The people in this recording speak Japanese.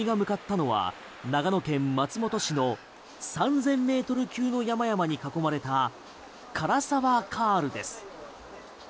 番組が向かったのは長野県松本市の３０００ｍ級の山々に囲まれた涸沢カールです。